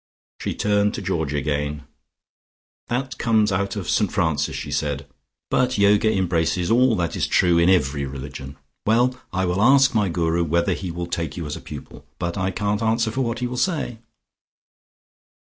She turned to Georgie again. "That comes out of St. Francis," she said, "but Yoga embraces all that is true in every religion. Well, I will ask my Guru whether he will take you as a pupil, but I can't answer for what he will say."